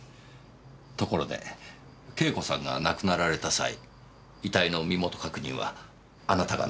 ところで慶子さんが亡くなられた際遺体の身元確認はあなたがなさったと伺いました。